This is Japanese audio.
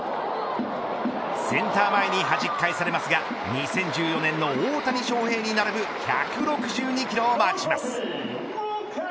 センター前にはじき返されますが２０１４年の大谷翔平に並ぶ１６２キロをマークします。